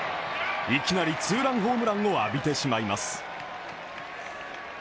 いきなりツーランホームランを浴びてしまいます。